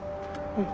うん。